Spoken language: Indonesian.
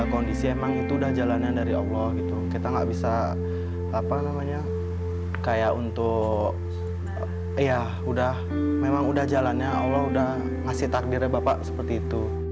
kondisi emang itu udah jalanan dari allah gitu kita gak bisa apa namanya kayak untuk ya udah memang udah jalannya allah udah ngasih takdirnya bapak seperti itu